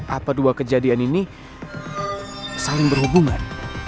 apa dua kejadian ini saling berhubungan